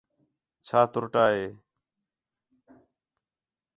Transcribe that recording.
چھا ترُٹّا ہے